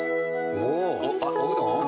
おうどん？